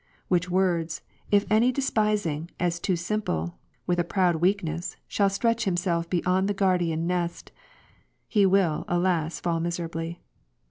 Which words, if any despising, as too simple, with a proud weakness, shall stretch himself beyond the guardian nest; he will, alas, fall miserably.